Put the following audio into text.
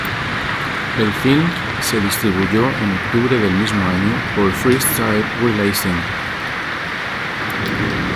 El film se distribuyó en octubre del mismo año por Freestyle Releasing.